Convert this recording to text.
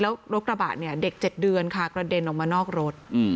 แล้วรถกระบะเนี่ยเด็ก๗เดือนค่ะกระเด็นออกมานอกรถ